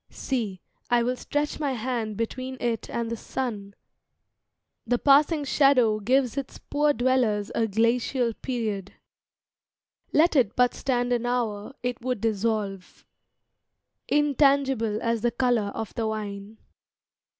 See, I will stretch my hand Between it and the sun; the passing shadow Gives its poor dwellers a glacial period. Let it but stand an hour, it would dissolve, Intangible as the color of the wine.